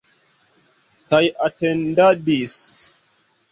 Kaj atendadis.